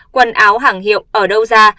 quần áo hẳng hiệu ở đâu ra